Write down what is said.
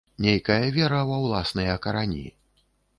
Нейкая вера ва ўласныя карані.